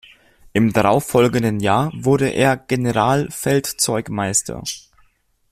Im darauf folgenden Jahr wurde er Generalfeldzeugmeister.